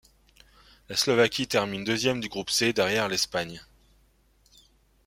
La Slovaquie termine deuxième du groupe C derrière l'Espagne.